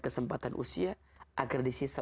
kesempatan usia agar di sisa